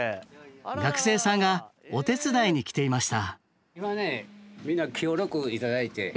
学生さんがお手伝いに来ていました。